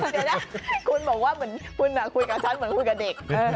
เดี๋ยวนะคุณบอกว่าเหมือนคุณคุยกับฉันเหมือนคุยกับเด็ก